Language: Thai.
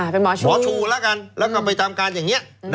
เป็นหมอชูหมอชูแล้วกันแล้วก็ไปทำการอย่างนี้